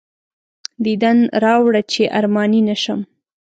دیدن راوړه چې ارماني نه شم.